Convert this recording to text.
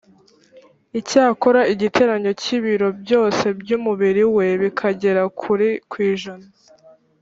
icyakora igiteranyo cy’ibiro byose by’umubiri we bikagera kuri ku ijana